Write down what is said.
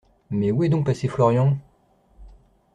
Mais où est donc passé Florian?